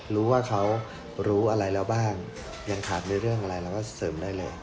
รู้ว่าเขารู้อะไรแล้วบ้างยังขาดในเรื่องอะไรเราก็เสริมได้เลย